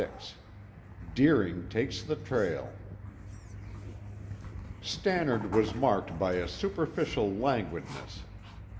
XXVI DEERING TAKES THE TRAIL Stannard was marked by a superficial languidness.